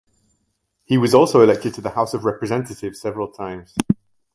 He was also elected to the House of Representatives several times.